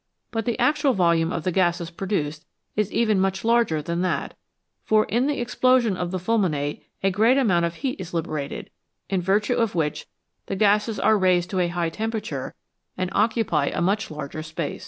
But the actual volume of the gases produced is even much larger than that, for in the explosion of the fulminate a great amount of heat is liberated, in virtue of which the gases are raised to a high temperature, and occupy a much larger space.